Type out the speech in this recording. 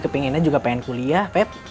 kepengennya juga pengen kuliah feb